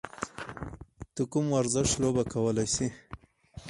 ته کوم ورزش لوبه کولی شې؟